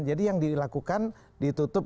jadi yang dilakukan ditutup